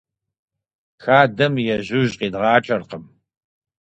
Хадэм ежьужь къидгъакӀэркъым.